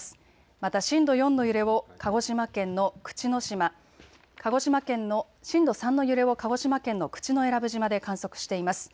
また震度４の揺れを鹿児島県の口之島、震度３の揺れを鹿児島県の口永良部島で観測しています。